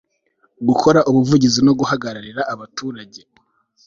gukora ubuvugizi no guhagararira abaturage